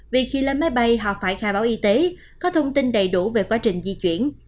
vì khi lên máy bay họ phải khai báo y tế có thông tin đầy đủ về quá trình di chuyển